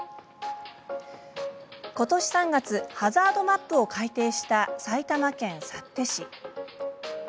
ことし３月ハザードマップを改訂した埼玉県幸手市。